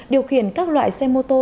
điều khiển các loại xe mô tô